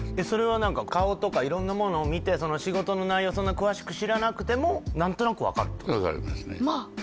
それはなんか顔とかいろんなものを見てその仕事の内容をそんな詳しく知らなくてもなんとなく分かるってことですかまあ！